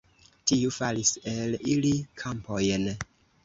Tiu faris el ili kampojn.